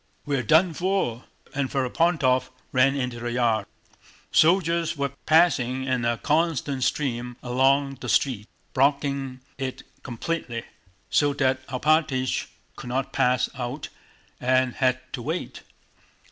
We're done for!..." and Ferapóntov ran into the yard. Soldiers were passing in a constant stream along the street blocking it completely, so that Alpátych could not pass out and had to wait.